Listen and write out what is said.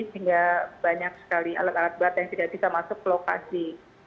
sehingga banyak sekali alat alat berat yang tidak bisa masuk ke lokasi